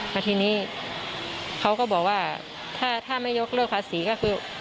แล้วทีนี้เขาก็บอกว่าถ้าไม่ยกเลิกภาษีก็คือ